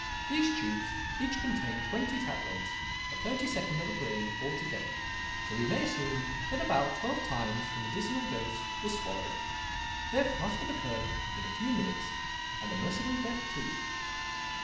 These tubes each contained twenty tabloids, a thirty second of a grain altogether, so we may assume that about twelve times the medicinal dose was swallowed. Death must have occurred in a few minutes, and a merciful death too."